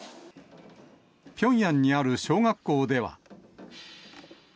ピョンヤンにある小学校では。